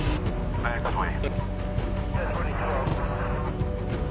はい。